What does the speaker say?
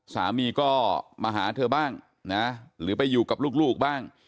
สามีก็มาหาเธอบ้างนะหรือไปอยู่กับลูกบ้าง